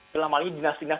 dalam hal ini dinas dinas